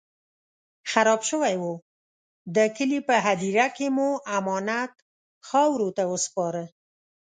خراب شوی و، د کلي په هديره کې مو امانت خاورو ته وسپاره.